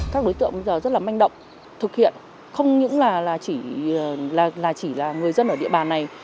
các đối tượng bây giờ rất là manh động thực hiện không những là chỉ là người dân ở địa bàn này